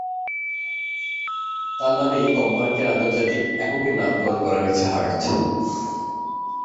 তার নামেই কম্পাঙ্কের আন্তর্জাতিক এককের নামকরণ করা হয়েছে হার্জ।